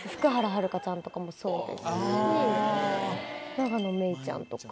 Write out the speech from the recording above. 永野芽郁ちゃんとか。